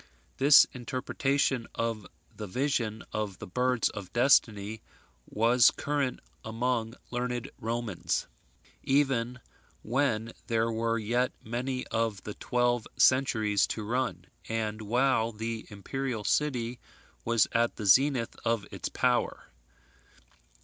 This interpretation of the vision of the birds of destiny was current among learned Romans, even when there were yet many of the twelve centuries to run, and while the imperial city was at the zenith of its power.